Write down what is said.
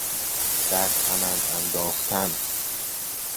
در کمند انداختن